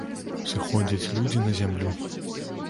Сыходзяць людзі на зямлю.